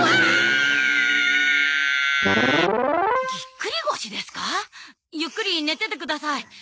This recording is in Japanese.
ぎっくり腰ですかゆっくり寝ててください。